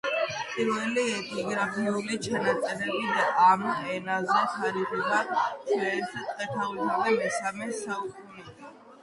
პირველი ეპიგრაფიული ჩანაწერები ამ ენაზე თარიღდება ჩვენს წელთაღრიცხვამდე მესამე საუკუნით.